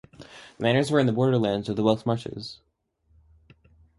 The manors were in the border lands of the Welsh Marches.